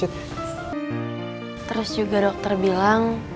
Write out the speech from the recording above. terus juga dokter bilang